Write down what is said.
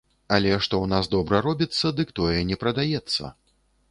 Але што ў нас добра робіцца, дык тое не прадаецца.